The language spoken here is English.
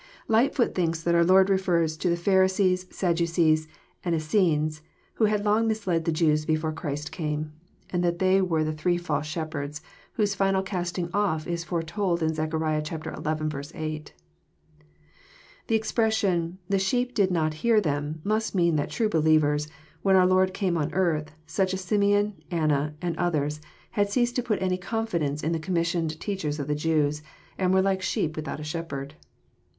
Lightfoot thinks that our Lord refers to the Pharisees, Saddu cees, and Essenes, who had long misled the Jews before Christ came, and that they were the three false shepherds whose final casting off is foretold in Zechariah xi. 8. The expression, '* The sheep did not hear them, must mean that true believers, when our Lord came on earth, such as Simeon, Anna, and others, had ceased to put any confidence in the commissioned teachers of the Jews, and were like sheep without a shepherd.